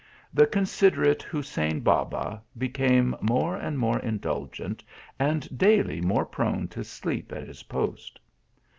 The considerate Hussein Baba became more and more indulgent, and daily more prone to sleep at his post.